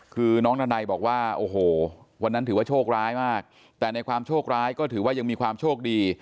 คือน้องดันัยบอกว่าโอ้โหวันนั้นถือว่าโชคร้ายมากแต่ในความโชคร้ายก็ถือว่ายังมีความโชคดี